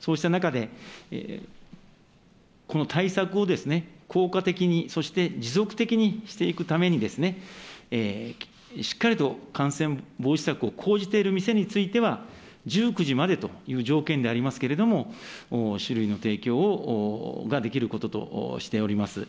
そうした中で、この対策を効果的に、そして持続的にしていくために、しっかりと感染防止策を講じている店については、１９時までという条件でありますけれども、酒類の提供を、ができることとしております。